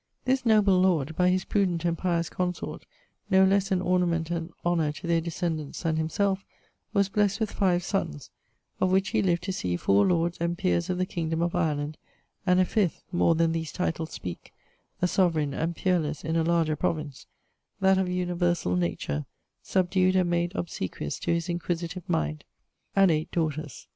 This noble lord, by his prudent and pious consort, no lesse an ornament and honour to their descendants than himself, was blessed with five sonnes, (of which he lived to see four lords and peeres of the kingdome of Ireland, and a fifth, more than these titles speak, a soveraigne and peerlesse in a larger province, that of universall nature, subdued and made obsequious to his inquisitive mind), and eight daughters.